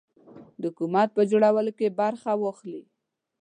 د حکومت په جوړولو کې برخه واخلي.